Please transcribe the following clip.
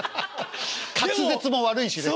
滑舌も悪いしね。